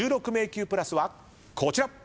１６迷宮プラスはこちら。